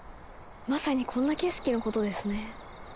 まさにこんな景色のことですね。